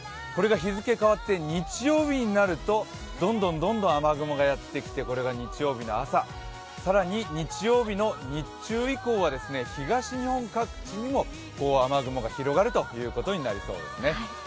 日付変わって日曜日になるとどんどん雨雲がやってきてこれが日曜日の朝、更に日曜日の日中以降は東日本各地にも雨雲が広がるということになりそうですね。